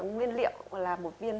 nguyên liệu là